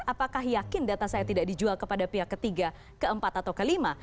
apakah yakin data saya tidak dijual kepada pihak ketiga keempat atau kelima